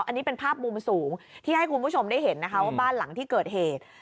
อันนี้เป็นภาพมุมสูงที่ให้คุณผู้ชมได้เห็นนะคะว่าบ้านหลังที่เกิดเหตุ